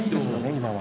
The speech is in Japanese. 今は。